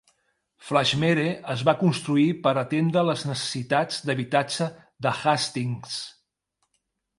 Flaxmere es va construir per atendre les necessitats d'habitatge de Hastings.